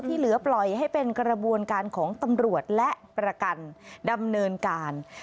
เหลือปล่อยให้เป็นกระบวนการของตำรวจและประกันดำเนินการ